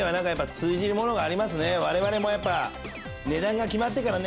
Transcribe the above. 我々もやっぱ。